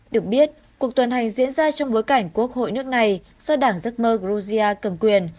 được biết cuộc tuần hành diễn ra trong bối cảnh quốc hội nước này do đảng giấc mơ georgia cầm quyền